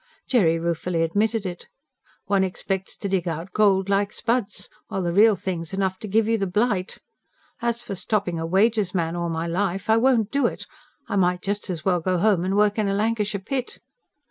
Jerry ruefully admitted it. "One expects to dig out gold like spuds; while the real thing's enough to give you the blight. As for stopping a wages man all my life, I won't do it. I might just as well go home and work in a Lancashire pit."